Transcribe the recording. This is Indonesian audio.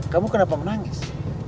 kamu kenapa menangis